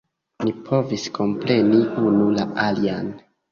Ni povis kompreni unu la alian.